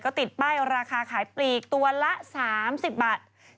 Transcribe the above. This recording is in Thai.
ก็ติดป้ายราคาขายปลีกตัวละ๓๐บาท